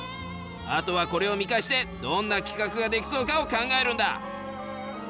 あとはこれを見返してどんな企画ができそうかを考えるんだ。